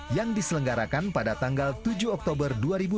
yang diselenggarakan pada tanggal tujuh oktober dua ribu dua puluh